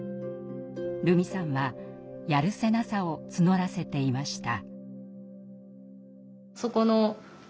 瑠美さんはやるせなさを募らせていました。